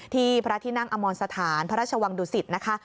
ที่พระที่นั่งอมรสถานพระราชวังดุศิษฐ์